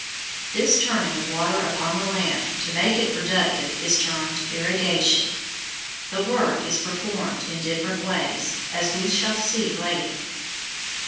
This turning of water upon the land to make it productive is termed "irrigation." The work is performed in different ways, as we shall see later.